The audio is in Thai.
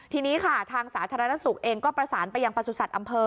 ทีนี้ค่ะทางสาธารณสุขเองก็ประสานไปยังประสุทธิ์อำเภอ